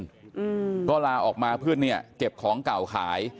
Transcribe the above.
อื่มค่ะก็ลาออกมาเพื่อเก็บของเก่าขาย